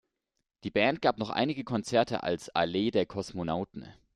Die Band gab noch einige Konzerte als Allee der Kosmonauten.